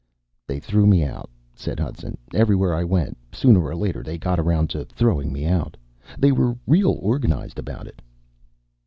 "They threw me out," said Hudson. "Everywhere I went, sooner or later they got around to throwing me out. They were real organized about it."